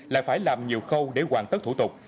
lại phải làm nhiều khâu để hoàn tất thủ tục